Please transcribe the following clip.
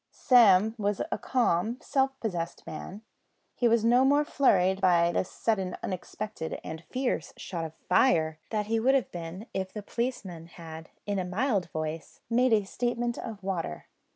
Sam was a calm, self possessed man. He was no more flurried by this sudden, unexpected, and fierce shout of "Fire," than he would have been if the policeman had in a mild voice made a statement of water.